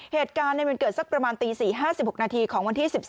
เหตุการณ์มันเกิดสักประมาณตี๔๕๖นาทีของวันที่๑๒